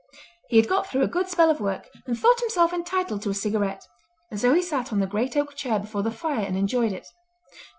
He had got through a good spell of work, and thought himself entitled to a cigarette; and so he sat on the great oak chair before the fire and enjoyed it.